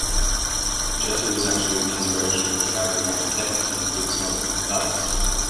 Jeter was actually the inspiration for the character named "Kevin" in Dick's novel, "Valis".